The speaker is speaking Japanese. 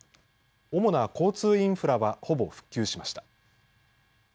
主な交通インフラはほぼ復旧しました。